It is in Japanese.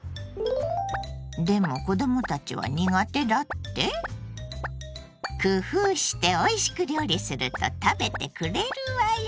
でも子供たちは苦手だって⁉工夫しておいしく料理すると食べてくれるわよ！